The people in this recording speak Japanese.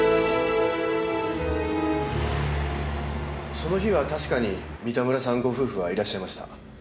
その日は確かに三田村さんご夫婦はいらっしゃいました。